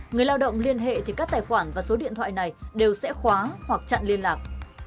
người lao động liên hệ thì các tài khoản và số điện thoại này đều sẽ khóa hoặc chặn liên lạc